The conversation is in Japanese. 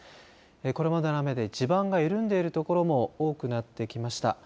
これまでの雨で地盤が緩んでいる所も多くなってきました。